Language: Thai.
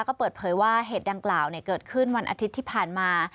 ก็เปิดเผยว่าเหตุดังกล่าวเกิดขึ้นวันอาทิตย์ที่ผ่านมา